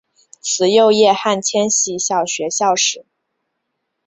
慈幼叶汉千禧小学校史